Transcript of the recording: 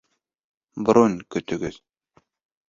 Бронь көтөгөҙ